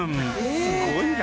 すごいな！